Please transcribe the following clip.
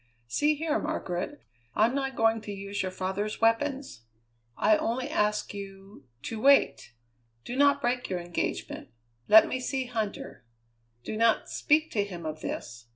"See here, Margaret, I'm not going to use your father's weapons. I only ask you to wait! Do not break your engagement; let me see Huntter. Do not speak to him of this.